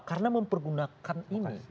karena mempergunakan ini